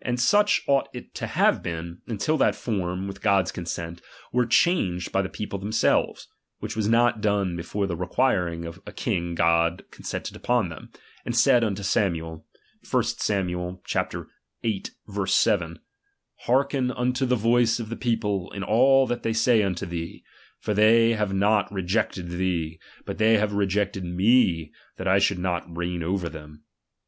And such ought, it to have been, until that form, with God's consent, were changed by the people themselves ; which was not done before that requiring a king God consented unto them, and said unto Samuel ( 1 Sam. RBLIGION. 243 17) : Hearken unto the voice of the people In chap. XYl all that they say unto thee ; for they have not re ti,' ^l^'^^, jected (hee, but they have rejected me, that / "Bii«i in iii« should not reign ocer them.